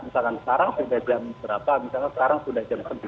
misalkan sekarang sampai jam berapa misalkan sekarang sudah jam sembilan